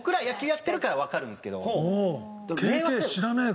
ＫＫ知らねえか。